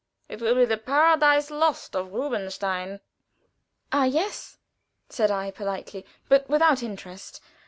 It will be the 'Paradise Lost' of Rubinstein." "Ah, yes!" said I, politely, but without interest.